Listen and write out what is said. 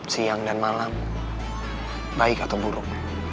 siang dan malam baik atau buruk